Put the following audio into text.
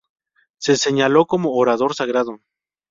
Se señaló como orador sagrado.